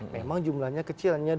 memang jumlahnya kecil